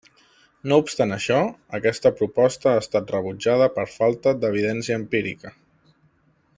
No obstant això, aquesta proposta ha estat rebutjada per falta d'evidència empírica.